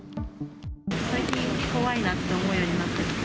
最近、怖いなって思うようになってきて。